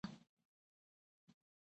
یو سل او یو اویایمه پوښتنه وارده ده.